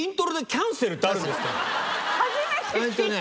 初めて聞いた。